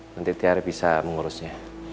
nanti tiari bisa mengurusnya